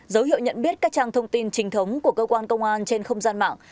dấu hiệu nhận biết các trang thông tin trình thống của cơ quan công an trên không gian mạng